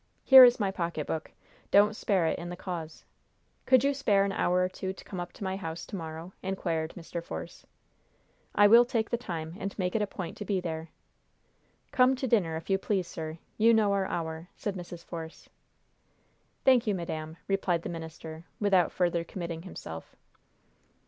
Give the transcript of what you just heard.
Here is my pocketbook. Don't spare it in the cause. Could you spare an hour or two to come up to my house to morrow?" inquired Mr. Force. "I will take the time, and make it a point to be there." "Come to dinner, if you please, sir. You know our hour," said Mrs. Force. "Thank you, madam," replied the minister, without further committing himself.